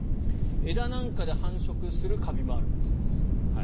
枝なんかで繁殖するカビもあるんだそうです。